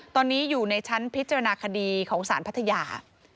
ตอนนี้อยู่ในชั้นพิจารณาคดีของสารพัทยา